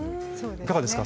いかがですか？